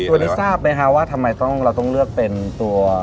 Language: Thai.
ตัวนี้ทราบไหมคะว่าทำไมเราต้องเลือกเป็นตัว